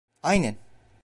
Aynen!